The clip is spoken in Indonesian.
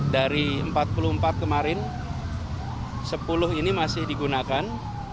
dari empat puluh empat kemarin sepuluh ini masih digunakan